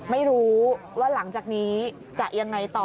ไม่รู้ว่าหลังจากนี้จะยังไงต่อ